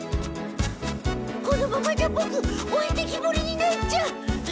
このままじゃボクおいてきぼりになっちゃう。